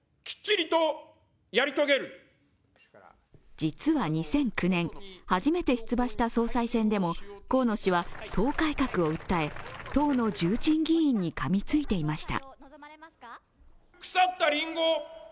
実は２００９年、初めて出馬した総裁選でも河野氏は党改革を訴え党の重鎮議員に噛みついていました。